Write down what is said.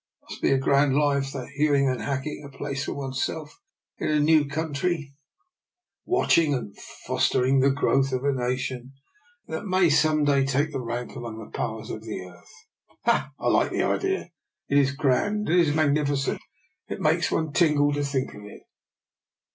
It must be a grand life, that hewing and hack ing a place for oneself in a new country, watching and fostering the growth of a na tion that may some day take rank among the powers of the earth. Ah! I like the idea. It is grand! It is magnificent! It makes one tingle to think of it."